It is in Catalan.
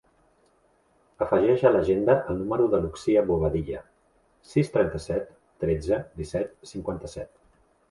Afegeix a l'agenda el número de l'Uxia Bobadilla: sis, trenta-set, tretze, disset, cinquanta-set.